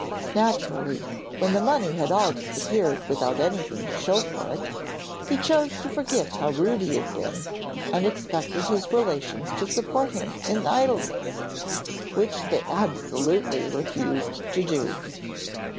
Naturally, when the money had all disappeared without anything to show for it, he chose to forget how rude he had been, and expected his relations to support him in idleness, which they absolutely refused to do.